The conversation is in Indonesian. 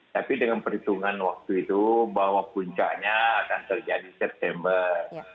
tapi dengan perhitungan waktu itu bahwa puncaknya akan terjadi september